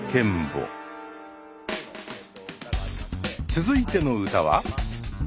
続いての歌は。